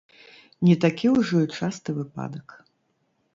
Не такі ўжо і часты выпадак.